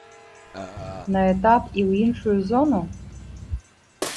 На этап і ў іншую зону?